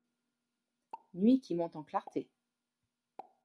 Nuit qui monte en clarté!